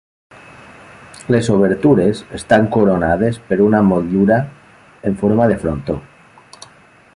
Les obertures estan coronades per una motllura en forma de frontó.